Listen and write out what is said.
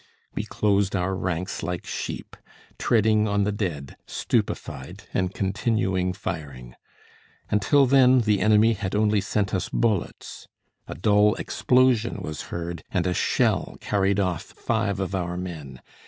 We closed our ranks like sheep, treading on the dead, stupefied, and continuing firing. Until then, the enemy had only sent us bullets; a dull explosion was heard and a shell carried off five of our men.